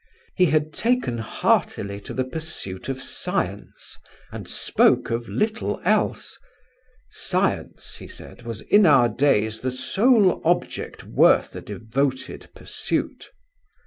He had taken heartily to the pursuit of science, and spoke of little else. Science, he said, was in our days the sole object worth a devoted pursuit.